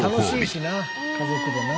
楽しいしな家族でな。